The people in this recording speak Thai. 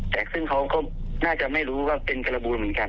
แต่ซึ่งเขาก็น่าจะไม่รู้ว่าเป็นการบูลเหมือนกัน